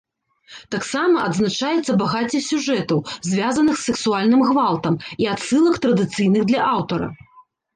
Таксама адзначаецца багацце сюжэтаў, звязаных з сексуальным гвалтам, і адсылак, традыцыйных для аўтара.